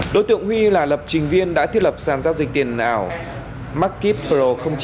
đối tượng huy là lập trình viên đã thiết lập sản giao dịch tiền ảo marketpro